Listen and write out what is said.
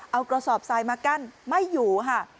เอากระสอบทรายมากั้นไม่อยู่ค่ะ